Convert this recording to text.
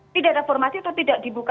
tidak ada formasi atau tidak dibuka